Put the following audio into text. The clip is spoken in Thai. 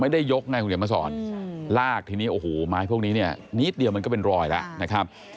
ไม่ได้ยกไงคุณเดี๋ยวมาสอนลากทีนี้โอ้โหไม้พวกนี้เนี่ยนิดเดียวมันก็เป็นรอยแล้วนะครับ